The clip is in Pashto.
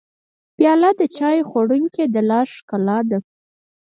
پیاله د چای خوړونکي د لاس ښکلا ده.